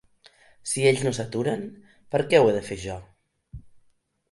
Si ells no s'aturen, per què ho he de fer jo?